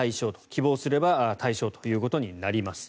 希望すれば対象ということになります。